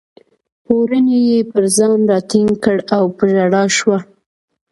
پوړنی یې پر ځان راټینګ کړ او په ژړا شوه.